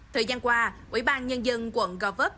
thời gian qua quỹ ban nhân dân quận gò vớp